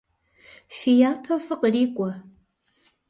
Фи япэ фӏы кърикӏуэ.